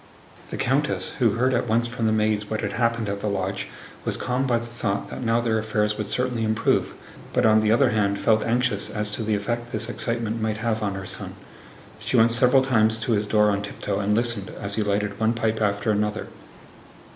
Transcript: The countess, who heard at once from the maids what had happened at the lodge, was calmed by the thought that now their affairs would certainly improve, but on the other hand felt anxious as to the effect this excitement might have on her son. She went several times to his door on tiptoe and listened, as he lighted one pipe after another.